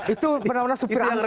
itu benar benar supir angle